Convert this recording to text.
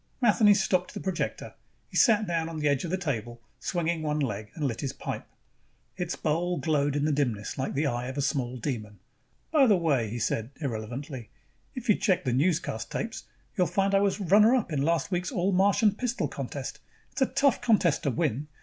Matheny stopped the projector. He sat down on the edge of the table, swinging one leg, and lit his pipe. Its bowl glowed in the dimness like the eye of a small demon. "By the way," he said irrelevantly, "if you check the newscast tapes, you'll find I was runner up in last year's all Martian pistol contest. It's a tough contest to win.